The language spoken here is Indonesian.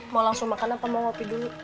mau langsung makan apa mau wapi dulu